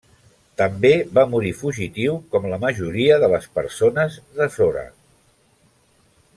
També va morir fugitiu com la majoria de les persones de Sora.